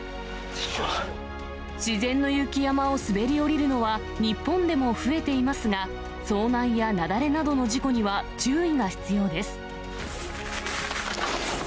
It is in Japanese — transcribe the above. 自然の雪山を滑り降りるのは、日本でも増えていますが、遭難や雪崩などの事故には注意が必要です。